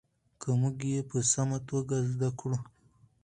که موږ یې په سمه توګه زده کړو.